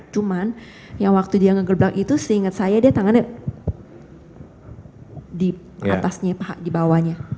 cuman yang waktu dia ngegerbelak itu seingat saya dia tangannya di atasnya pak di bawahnya